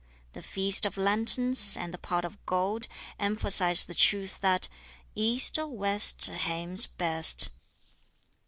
"The Feast of Lanterns" and "The Pot of Gold" emphasize the truth that East or west, Hame's best.